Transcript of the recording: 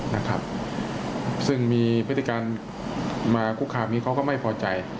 นะครับซึ่งมีพยาบส์การมาคุกข่าวเหมือนเขาก็ไม่พอใจ